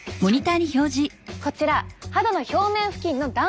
こちら肌の表面付近の断面図。